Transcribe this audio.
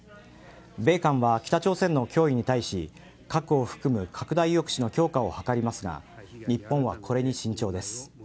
米韓は北朝鮮の脅威に対し核を含む拡大抑止の強化を図りますが日本はこれに慎重です。